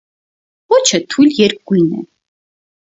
Պոչը թույլ երկգույն է։